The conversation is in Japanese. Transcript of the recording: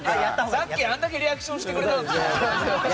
さっきあれだけリアクションしてくれたのに。